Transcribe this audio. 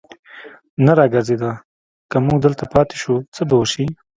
نه را ګرځېده، که موږ همدلته پاتې شو، څه به وشي.